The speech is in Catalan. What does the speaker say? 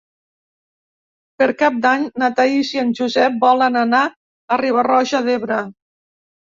Per Cap d'Any na Thaís i en Josep volen anar a Riba-roja d'Ebre.